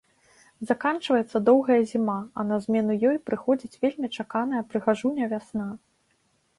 Заканчваецца доўгая зіма, а на змену ёй прыходзіць вельмі чаканая прыгажуня-вясна.